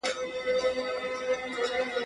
بې منزله مسافر یم، پر کاروان غزل لیکمه.